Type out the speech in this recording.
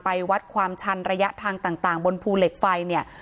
วัดความชันระยะทางต่างบนภูเหล็กไฟเนี่ย